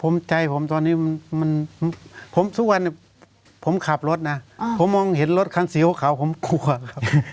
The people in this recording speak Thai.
ผมใจผมตอนนี้มันผมทุกวันผมขับรถนะผมมองเห็นรถคันสีขาวผมกลัวครับ